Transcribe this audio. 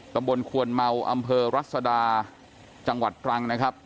ตำบลควนเมาอำเภอรัศดาจังหวัดตรังนะครับ